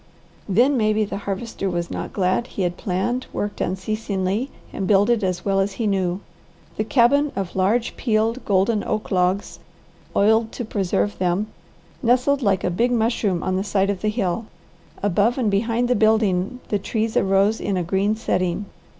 Then maybe the Harvester was not glad he had planned, worked unceasingly, and builded as well as he knew. The cabin of large, peeled, golden oak logs, oiled to preserve them, nestled like a big mushroom on the side of the hill. Above and behind the building the trees arose in a green setting.